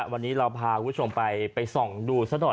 วันนี้เราพาคุณผู้ชมไปส่องดูซะหน่อย